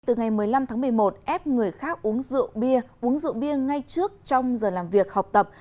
từ ngày một mươi năm tháng một mươi một ép người khác uống rượu bia uống rượu bia ngay trước trong giờ làm việc học tập